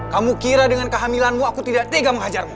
kamu kira dengan kehamilanmu aku tidak tega menghajarmu